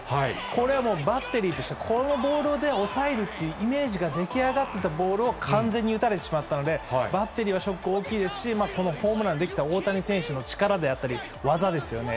これはもう、バッテリーとしては、このボールで抑えるっていうイメージが出来上がっていたボールを完全に打たれてしまったので、バッテリーはショック大きいですし、このホームランにできた大谷選手の力であったり、技ですよね。